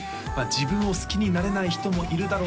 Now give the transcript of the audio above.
自分を好きになれない人もいるだろう